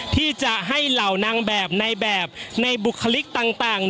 ที่จะให้เหล่านางแบบในแบบในบุคลิกต่าง